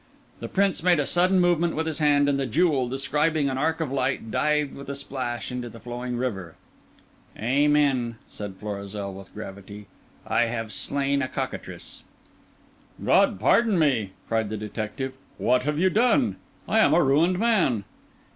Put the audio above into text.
The Prince made a sudden movement with his hand, and the jewel, describing an arc of light, dived with a splash into the flowing river. "Amen," said Florizel with gravity. "I have slain a cockatrice!" "God pardon me!" cried the detective. "What have you done? I am a ruined man."